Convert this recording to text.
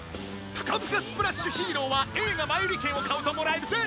プカプカスプラッシュヒーローは映画前売券を買うともらえるぜ。